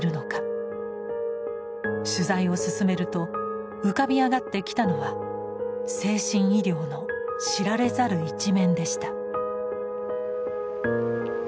取材を進めると浮かび上がってきたのは精神医療の知られざる一面でした。